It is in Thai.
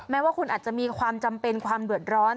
ว่าคุณอาจจะมีความจำเป็นความเดือดร้อน